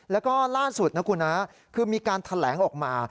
แล้วก็ล่าสุดนะคุณนะคือมีการแถลงออกมา